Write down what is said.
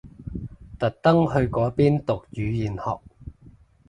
特登去嗰邊讀語言學？